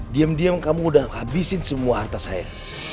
diam diam kamu sudah menghabiskan semua harta saya